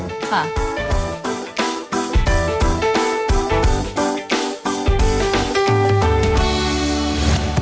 ใช่ค่ะ